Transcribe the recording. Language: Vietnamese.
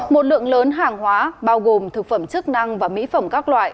một lượng lớn hàng hóa bao gồm thực phẩm chức năng và mỹ phẩm các loại